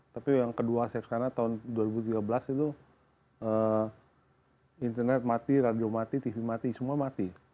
tapi yang kedua karena tahun dua ribu tiga belas itu internet mati radio mati tv mati semua mati